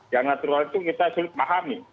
yang natural itu kita sulit pahami